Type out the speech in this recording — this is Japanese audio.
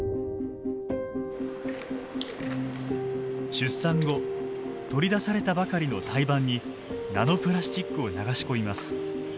出産後取り出されたばかりの胎盤にナノプラスチックを流し込みます。